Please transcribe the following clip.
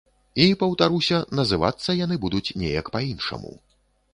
І, паўтаруся, называцца яны будуць неяк па-іншаму.